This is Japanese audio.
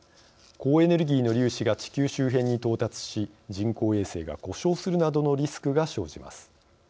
高エネルギーの粒子が地球周辺に到達し人工衛星が故障するなどのリスクが生じます。